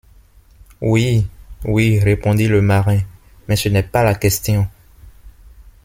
Oui... oui ... répondit le marin... mais ce n’est pas la question